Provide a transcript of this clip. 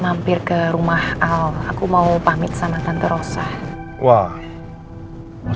aku kerasa sakit banget pak